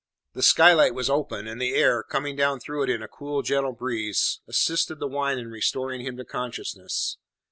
The skylight was open, and the air, coming down through it in a cool gentle breeze, assisted the wine in restoring him to consciousness.